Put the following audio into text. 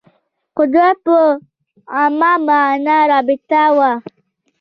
قدرت په عامه معنا رابطه وه